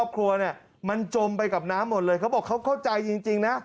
ครัวเนี่ยมันจมไปกับน้ำหมดเลยเขาบอกเขาเข้าใจจริงนะ